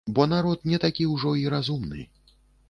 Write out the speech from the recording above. Бо народ не такі ўжо і разумны.